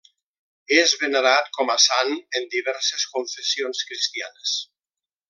És venerat com a sant en diverses confessions cristianes.